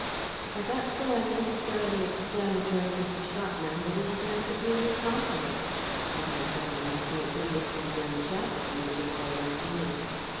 I got so unnecessarily explanatory with the shopman that he began to pay me compliments, said my brother must be a good looking young chap if he was at all like me.